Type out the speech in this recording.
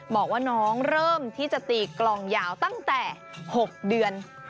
บอกว่าน้องเริ่มที่จะตีกลองยาวตั้งแต่๖เดือน